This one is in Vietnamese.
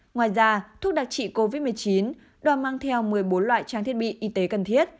ngoài ra thuốc đặc trị covid một mươi chín đoàn mang theo một mươi bốn loại trang thiết bị y tế cần thiết